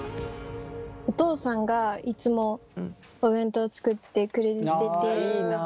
お父さんがいつもお弁当を作ってくれてて。